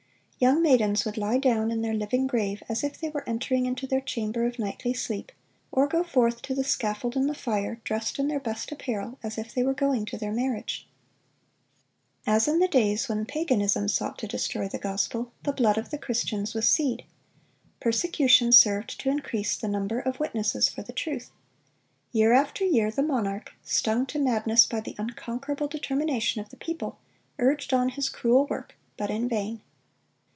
"Young maidens would lie down in their living grave as if they were entering into their chamber of nightly sleep; or go forth to the scaffold and the fire, dressed in their best apparel, as if they were going to their marriage."(355) As in the days when paganism sought to destroy the gospel, the blood of the Christians was seed.(356) Persecution served to increase the number of witnesses for the truth. Year after year the monarch, stung to madness by the unconquerable determination of the people, urged on his cruel work; but in vain.